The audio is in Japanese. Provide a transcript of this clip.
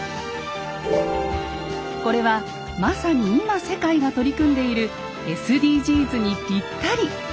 これはまさに今世界が取り組んでいるＳＤＧｓにぴったり。